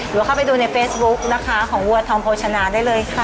หรือเข้าไปดูในเฟซบุ๊กนะคะของวัวทองโภชนาได้เลยค่ะ